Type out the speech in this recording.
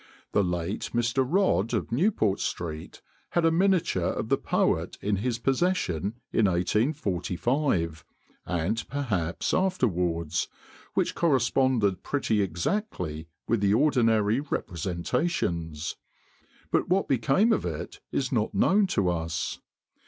The late Mr. Rodd, of Newport Street, had a miniature of the poet in his possession in 1845, and perhaps afterwards, which corresponded pretty exactly with the ordinary representations, but what became of it is not known to us.